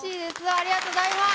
ありがとうございます。